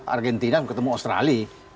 argentina ketemu australia